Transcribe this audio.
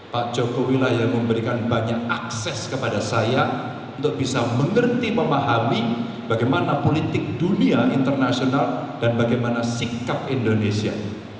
pak jokowi lah yang memberikan banyak akses kepada saya untuk bisa mengerti memahami bagaimana politik dunia internasional dan bagaimana sikap indonesia